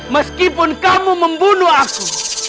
meskipun kamu membunuh aku